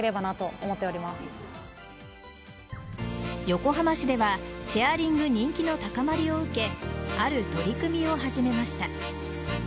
横浜市ではチェアリング人気の高まりを受けある取り組みを始めました。